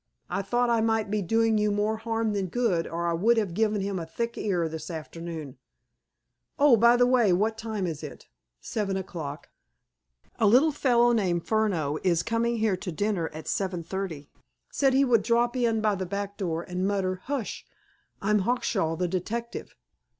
I thought I might be doing you more harm than good, or I would have given him a thick ear this afternoon ... Oh, by the way, what time is it?" "Seven o'clock." "A little fellow named Furneaux is coming here to dinner at seven thirty. Said he would drop in by the back door, and mutter 'Hush! I'm Hawkshaw, the detective.